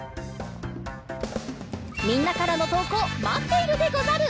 みんなからのとうこうまっているでござる！